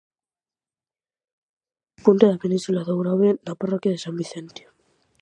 Punta da península do Grove, na parroquia de san Vicente.